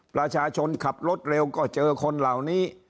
ประชาชนขับรถเร็วก็เจอคนเหล่านี้